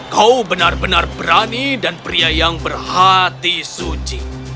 kau benar benar berani dan pria yang berhati suci